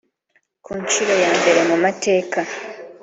Ku nshuro ya mbere mu mateka